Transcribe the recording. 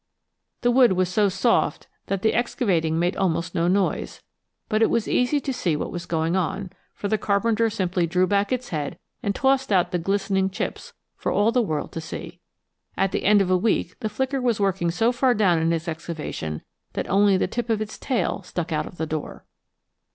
The wood was so soft that the excavating made almost no noise, but it was easy to see what was going on, for the carpenter simply drew back its head and tossed out the glistening chips for all the world to see. At the end of a week the flicker was working so far down in its excavation that only the tip of its tail stuck out of the door.